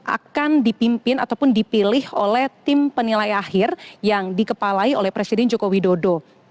akan dipimpin ataupun dipilih oleh tim penilai akhir yang dikepalai oleh presiden joko widodo